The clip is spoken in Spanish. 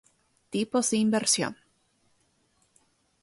Tipos de inversión